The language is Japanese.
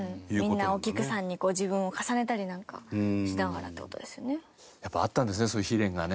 みんなお菊さんに自分を重ねたりなんかしながらって事ですよね。